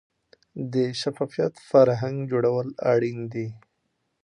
د شفافیت فرهنګ جوړول اړین دي